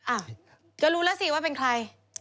อ่ะก็รู้แล้วสิว่าเป็นใคร